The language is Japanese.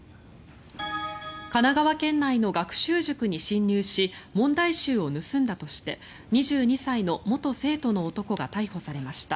神奈川県内の学習塾に侵入し問題集を盗んだとして２２歳の元生徒の男が逮捕されました。